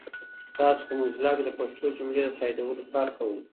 تاسو په موزیلا کې د پښتو جملو د تایدولو کار کوئ؟